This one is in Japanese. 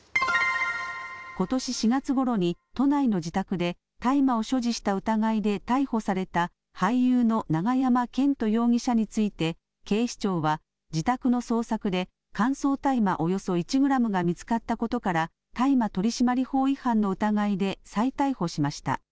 ことし４月ごろに都内の自宅で大麻を所持した疑いで逮捕された俳優の永山絢斗容疑者について、警視庁は、自宅の捜索で乾燥大麻およそ１グラムが見つかったことから、大麻取締法違反の疑いで再逮捕しました。